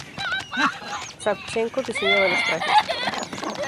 Savchenko diseñaba los trajes.